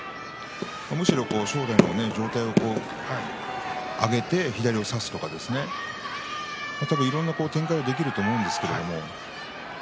むしろ正代の方は上体を上げて左を差すとかいろんな展開ができると思うんですが。